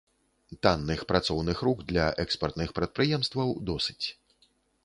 Танных працоўных рук для экспартных прадпрыемстваў досыць.